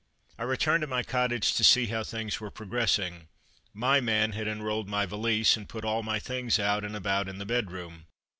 I returned to my cottage to see how things were progressing. My man had unrolled my valise, and put all my things out and about in the bedroom.